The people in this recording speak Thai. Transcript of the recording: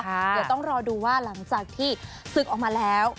เดี๋ยวต้องรอดูว่าหลังจากที่ศึกออกมาแล้ว